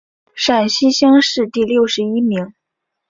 陕西乡试第六十一名。